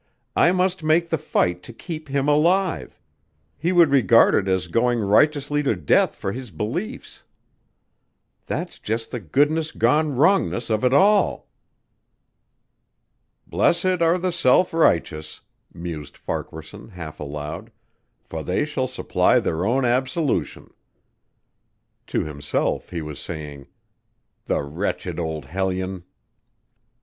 I must make the fight to keep him alive. He would regard it as going righteously to death for his beliefs. That's just the goodness gone wrongness of it all." "Blessed are the self righteous," mused Farquaharson half aloud, "for they shall supply their own absolution." To himself he was saying, "The wretched old hellion!"